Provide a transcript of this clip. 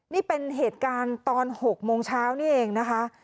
นี่เป็นเหตุการณ์ตอน๖โมงเช้านี่เองนะคะ